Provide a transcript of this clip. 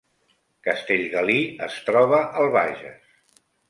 Castellgalí es troba al Bages